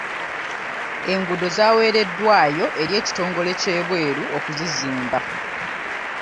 Enguudo zaweereddwayo eri ekitongole ky'ebweru okuzizimba.